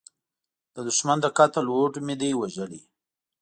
د دوښمن د قتل هوډ مې دی وژلی